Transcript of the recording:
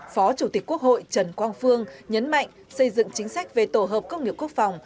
phó chủ tịch quốc hội trần quang phương nhấn mạnh xây dựng chính sách về tổ hợp công nghiệp quốc phòng